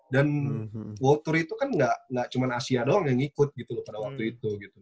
dan world tour itu kan enggak cuma asia doang yang ikut gitu pada waktu itu gitu